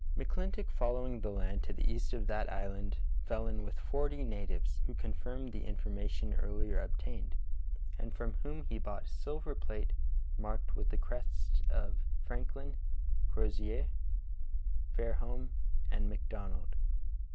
McClintock following the land to the east of that island fell in with forty natives, who confirmed the information earlier obtained, and from whom he bought silver plate marked with the crests of Franklin, Crozier, Fairholme, and McDonald.